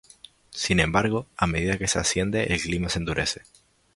Sin embargo, a medida que se asciende, el clima se endurece.